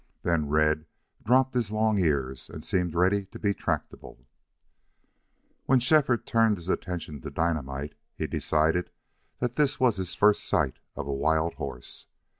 Then Red dropped his long ears and seemed ready to be tractable. When Shefford turned his attention to Dynamite he decided that this was his first sight of a wild horse.